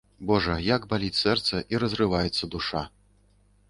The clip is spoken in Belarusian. Божа, як баліць сэрца і разрываецца душа!